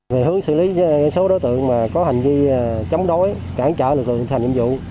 về hướng xử lý số đối tượng có hành vi chống đối cản trở đối tượng thành nhiệm vụ